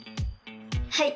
はい！